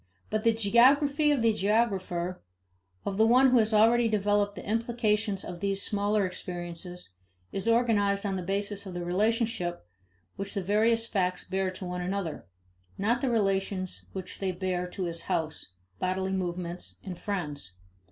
But the geography of the geographer, of the one who has already developed the implications of these smaller experiences, is organized on the basis of the relationship which the various facts bear to one another not the relations which they bear to his house, bodily movements, and friends.